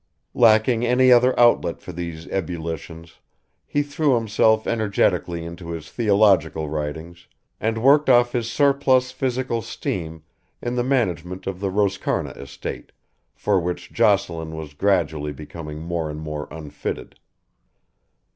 Lacking any other outlet for these ebullitions he threw himself energetically into his theological writings and worked off his surplus physical steam in the management of the Roscarna estate, for which Jocelyn was gradually becoming more and more unfitted.